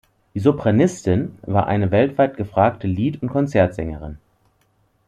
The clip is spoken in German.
Die Sopranistin war eine weltweit gefragte Lied- und Konzertsängerin.